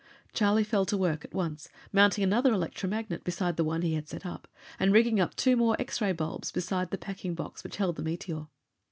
Charlie fell to work at once, mounting another electromagnet beside the one he had set up, and rigging up two more X ray bulbs beside the packing box which held the meteor.